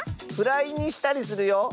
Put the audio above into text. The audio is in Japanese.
フライにしたりするよ。